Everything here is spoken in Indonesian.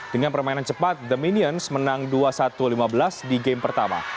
dengan permainan cepat the minions menang dua satu lima belas di game pertama